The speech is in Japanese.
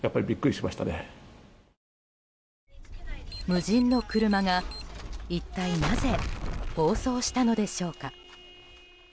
無人の車が一体なぜ暴走したのでしょうか。